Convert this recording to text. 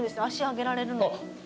足上げられるの。